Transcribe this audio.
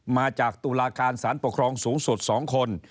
มาจากตุลาการศาลปกครองสูงสุด๒คน